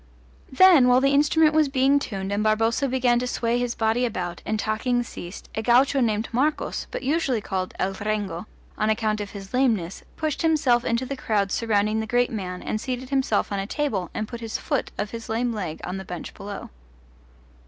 Then, while the instrument was being tuned and Barboza began to sway his body about, and talking ceased, a gaucho named Marcos but usually called El Rengo on account of his lameness, pushed himself into the crowd surrounding the great man and seated himself on a table and put his foot of his lame leg on the bench below.